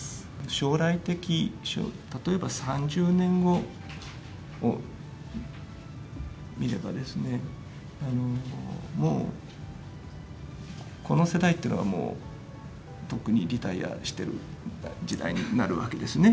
将来的、例えば３０年後を見ればですね、もうこの世代っていうのはもうとっくにリタイアしている時代になるわけですね。